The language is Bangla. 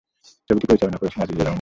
ছবিটি পরিচালনা করেছেন আজিজুর রহমান।